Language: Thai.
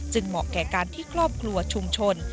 เหมาะแก่การที่ครอบครัวชุมชน